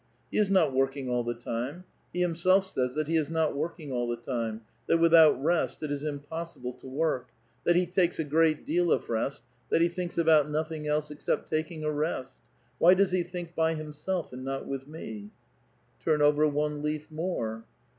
He is not working all the time ; he himself says that he is not working all the time ; tha.ti without rest it is impossible to work ; that he takes a gi*e£%.t deal of rest, that he thinks about nothing else except talcing a rest; why does he think b^' himself and not with me p" *"*" Turn over one leaf more."